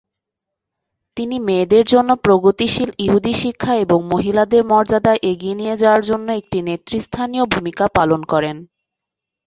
তিনি মেয়েদের জন্য প্রগতিশীল ইহুদি শিক্ষা এবং মহিলাদের মর্যাদা এগিয়ে নিয়ে যাওয়ার জন্য একটি নেতৃস্থানীয় ভূমিকা পালন করেন।